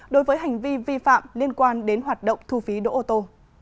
đối với hành vi vi phạm liên quan đến hoạt động thu phí đỗ ô tô